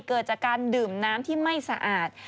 เกิดจากการดื่มน้ำที่ไม่สะอาด